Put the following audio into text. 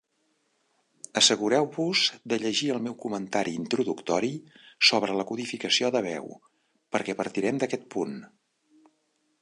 Assegureu-vos de llegir el meu comentari introductori sobre la codificació de veu, perquè partirem d'aquest punt.